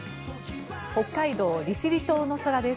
北海道・利尻島の空です。